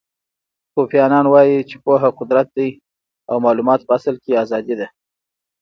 کوفی انان وایي چې پوهه قدرت دی او معلومات په اصل کې ازادي ده.